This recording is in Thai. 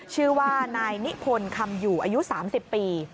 ชื่อว่านายนิพนธ์คำอยู่อายุ๓๐ปี